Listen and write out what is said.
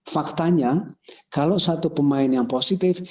faktanya kalau satu pemain yang positif